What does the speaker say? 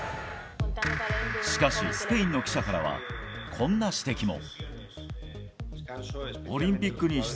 しかしスペインの記者からはこんな指摘も。